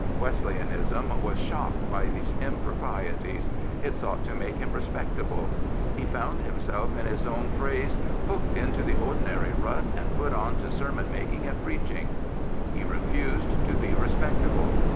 Wesleyanism was shocked by these improprieties. It sought to make him respectable. He found himself, in his own phrase, " hooked into the ordinary rut and put on to sermon making and preaching.*' He refused to be respectable.